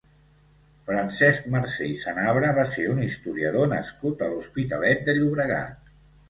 Francesc Marcé i Sanabra va ser un historiador nascut a l'Hospitalet de Llobregat.